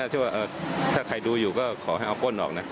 ที่ว่าถ้าใครดูอยู่ก็ขอให้เอาก้นออกนะ